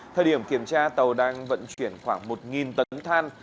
thời điểm kiểm tra tàu đang vận chuyển khoảng một tàu